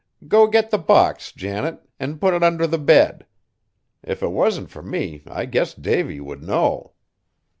Go get the box, Janet, an' put it under the bed. If it wasn't fur me, I guess Davy would know!"